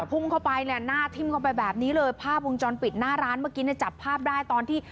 พุ่งเข้าไปเนี่ยหน้าทิ้มเข้าไปแบบนี้เลยภาพวงจรปิดหน้าร้านเมื่อกี้เนี่ยจับภาพได้ตอนที่